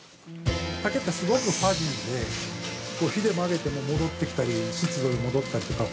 竹って、すごくファジーで火で曲げても戻ってきたり湿度で戻ったりとか。